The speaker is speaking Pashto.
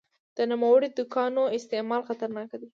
د نوموړو دواګانو استعمال خطرناک دی.